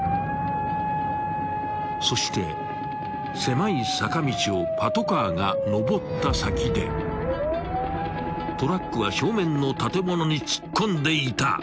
［そして狭い坂道をパトカーが上った先でトラックは正面の建物に突っ込んでいた］